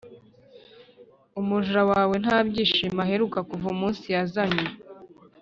umuja wawe nta byishimo aheruka kuva umunsi yazanywe